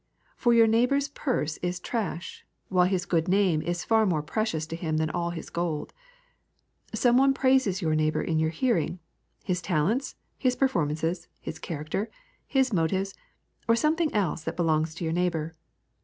For your neighbour's purse is trash, while his good name is far more precious to him than all his gold. Some one praises your neighbour in your hearing, his talents, his performances, his character, his motives, or something else that belongs to your neighbour.